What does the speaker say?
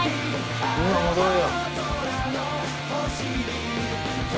今戻るよ。